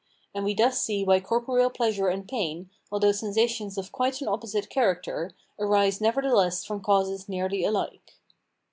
And we thus see why corporeal pleasure and pain, although sensations of quite an opposite character, arise nevertheless from causes nearly alike.